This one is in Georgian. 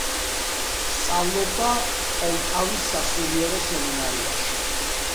სწავლობდა პოლტავის სასულიერო სემინარიაში.